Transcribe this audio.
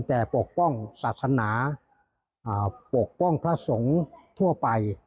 แต่ปกป้องศาสนาปกป้องพระสงฆ์ทั่วไป